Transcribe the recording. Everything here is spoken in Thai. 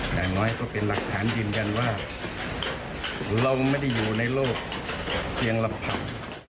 อย่างน้อยก็เป็นหลักฐานยืนยันว่าเราไม่ได้อยู่ในโลกเพียงลำพัง